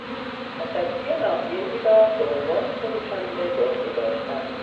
تصدی ناحیهای را به عنوان فروشنده به عهده داشتن